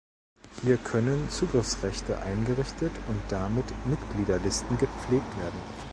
Hier können Zugriffsrechte eingerichtet und damit Mitgliederlisten gepflegt werden.